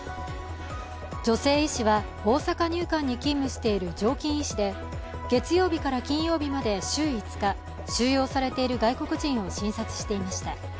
女性医師は大阪入管に勤務している常勤医師で月曜日から金曜日まで週５日、収容されている外国人を診察していました。